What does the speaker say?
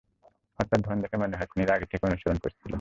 হত্যার ধরন দেখে মনে হয়, খুনিরা আগে থেকেই তাঁকে অনুসরণ করছিল।